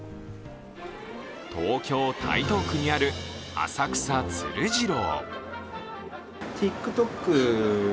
東京・台東区にある浅草つる次郎。